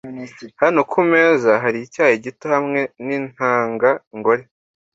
hano kumeza hari icyayi gito hamwe nintanga ngore.